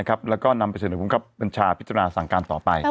รับเชิญใจคุณประกอบปรัญชาพิจารณาสั่งการต่อไป